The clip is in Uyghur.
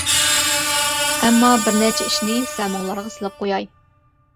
ئەمما بىر نەچچە ئىشنى سەمىڭلارغا سېلىپ قوياي.